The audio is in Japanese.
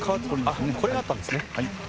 これが、あったんですね。